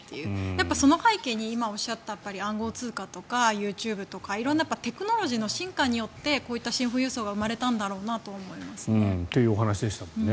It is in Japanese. やっぱその背景に今、おっしゃった暗号通貨とかＹｏｕＴｕｂｅとか、色んなテクノロジーの変化によってこういったシン富裕層が生まれたんだと思いますね。というお話でしたもんね。